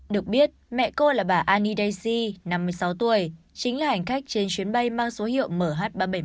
được biết mẹ cô là bà annie daisy năm mươi sáu tuổi chính là hành khách trên chuyến bay mang số hiệu mh ba trăm bảy mươi